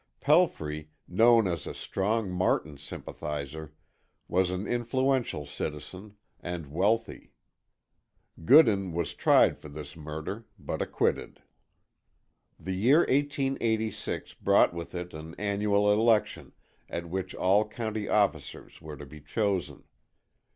Pelfrey, known as a strong Martin sympathizer, was an influential citizen and wealthy. Goodan was tried for this murder, but acquitted. The year 1886 brought with it an annual election at which all county officers were to be chosen.